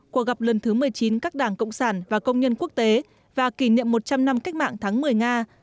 cuộc gặp lần thứ một mươi chín các đảng cộng sản và công nhân quốc tế và kỷ niệm một trăm linh năm cách mạng tháng một mươi nga